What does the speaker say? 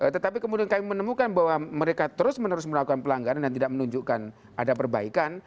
tetapi kemudian kami menemukan bahwa mereka terus menerus melakukan pelanggaran dan tidak menunjukkan ada perbaikan